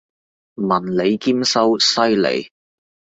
文理兼修，犀利！